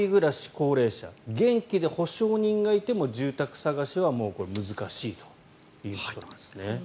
高齢者元気で保証人がいても住宅探しは難しいということなんですね。